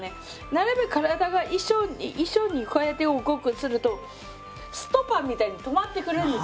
なるべく体が一緒にこうやって動くとするとストッパーみたいに止まってくれるんです。